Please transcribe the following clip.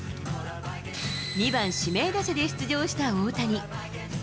２番指名打者で出場した大谷。